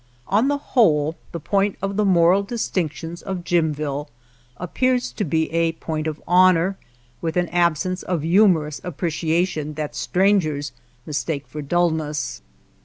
On the whole, the point of the moral distinctions of Jimville appears to be a point of honor, with an absence of humorous appreciation that strangers mistake for dullness.